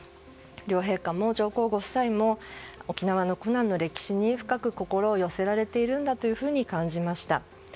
両陛下も上皇ご夫妻も沖縄の苦難の歴史に深く心を寄せられているんだというふうに感じました。